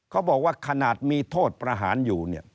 เขาบอกว่าขนาดมีโทษประหารอยู่เนี่ย